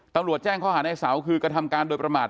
ตำรวจแจ้งข้อหาในเสาคือกระทำการโดยประมาท